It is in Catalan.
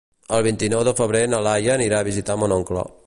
El vint-i-nou de febrer na Laia anirà a visitar mon oncle.